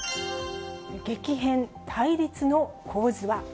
激変、対立の構図は？